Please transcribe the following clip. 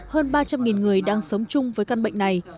hơn ba trăm linh người đang sống chung với căn bệnh này